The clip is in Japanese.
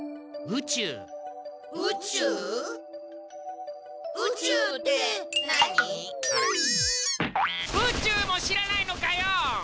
宇宙も知らないのかよ！